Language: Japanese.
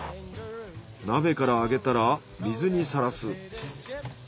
鍋からあげたら水にさらす。